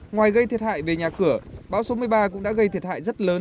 ngoài gây thiệt hại về nhà cửa bão số một mươi ba cũng đã gây thiệt hại rất lớn